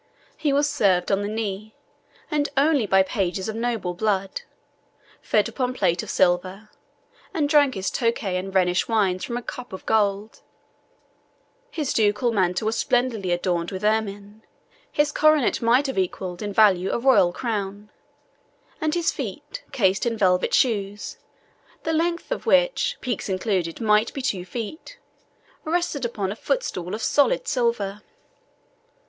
He was served on the knee, and only by pages of noble blood, fed upon plate of silver, and drank his Tokay and Rhenish wines from a cup of gold. His ducal mantle was splendidly adorned with ermine, his coronet might have equalled in value a royal crown, and his feet, cased in velvet shoes (the length of which, peaks included, might be two feet), rested upon a footstool of solid silver.